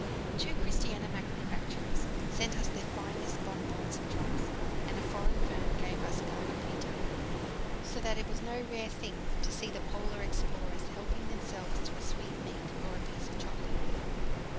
Two Christiania manufacturers sent us their finest bonbons and drops, and a foreign firm gave us "Gala Peter," so that it was no rare thing to see the Polar explorers helping themselves to a sweetmeat or a piece of chocolate.